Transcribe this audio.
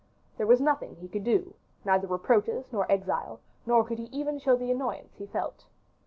There was nothing he could do neither reproaches, nor exile nor could he even show the annoyance he felt.